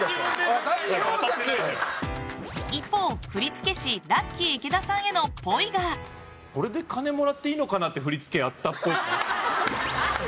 一方、振付師ラッキィさんへの、っぽいが。これで金もらっていいのかなって振り付けあったっぽい。